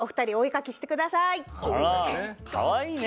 あらかわいいね。